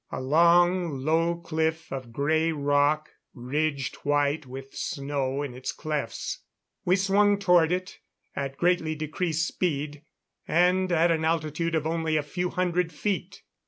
A long, low cliff of grey rock, ridged white with snow in its clefts. We swung toward it, at greatly decreased speed, and at an altitude of only a few hundred feet.